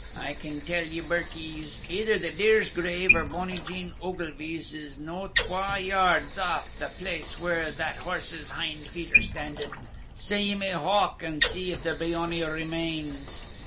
I can tell ye, birkies, either the deer's grave or bonny Jane Ogilvie's is no twa yards aff the place where that horse's hind feet are standin'; sae ye may howk, an' see if there be ony remains."